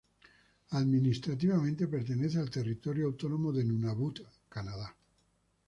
Administrativamente, pertenece al territorio autónomo de Nunavut, Canadá.